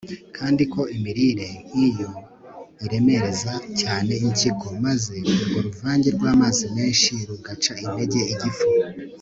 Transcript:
kandi ko imirire nk'iyo iremereza cyane impyiko, maze urwo ruvange rw'amazi menshi rugaca intege igifu